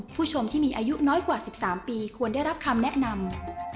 ผู้ชมที่มีอายุน้อยกว่า๑๓ปีควรได้รับคำแนะนำ